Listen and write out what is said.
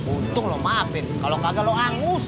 untung lu maafin kalau kagak lu angus